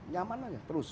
nyaman aja terus